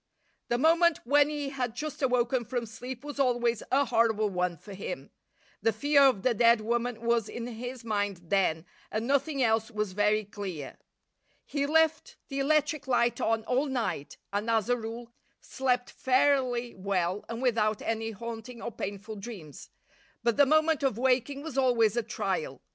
The moment when he had just awoken from sleep was always a horrible one for him. The fear of the dead woman was in his mind then and nothing else was very clear. He left the electric light on all night and, as a rule, slept fairly well and without any haunting or painful dreams. But the moment of waking was always a trial.